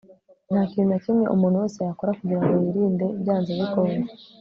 ntakintu nakimwe umuntu wese yakora kugirango yirinde byanze bikunze